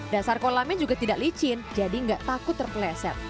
dasar kolamnya juga tidak licin jadi nggak takut terpeleset